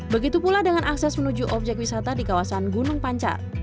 begitu pula dengan akses menuju objek wisata di kawasan gunung pancar